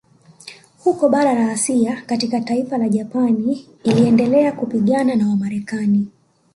Huko bara la Asia katika taifa la Japani iliendelea kupigana na Wamarekani